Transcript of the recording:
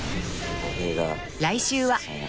［来週は］